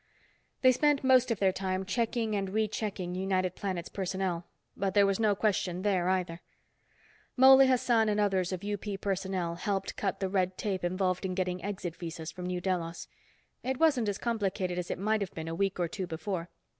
They spent most of their time checking and rechecking United Planets personnel, but there was no question there either. Mouley Hassan and others of UP personnel helped cut the red tape involved in getting exit visas from New Delos. It wasn't as complicated as it might have been a week or two before.